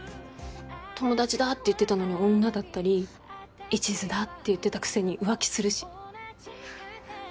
友達だって言ってたのに女だったりいちずだって言ってたくせに浮気するし。